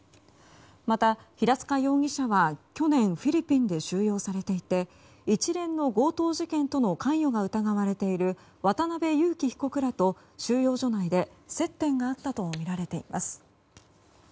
また、平塚容疑者は去年フィリピンで収容されていて一連の強盗事件との関与が疑われている渡邉優樹被告らと収容所内で接点があったとみられています。